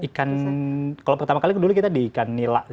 ikan kalau pertama kali dulu kita di ikan nila